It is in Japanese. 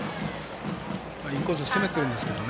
インコース攻めてるんですけど。